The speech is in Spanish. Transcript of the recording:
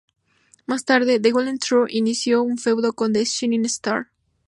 Más tarde, The Golden Truth inició un feudo con The Shining Stars.